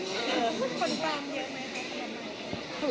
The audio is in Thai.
คนตามเยอะไหมครับประมาณ